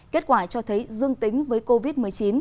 kết quả cho thấy dương tính với covid một mươi chín